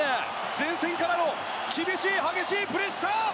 前線からの厳しい、激しいプレッシャー！